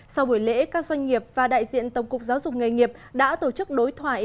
sau buổi lễ các doanh nghiệp và đại diện tổng cục giáo dục nghề nghiệp đã tổ chức đối thoại